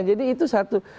jadi itu satu